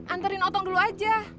anterin otong dulu aja